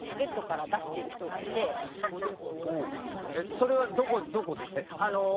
それはどこで？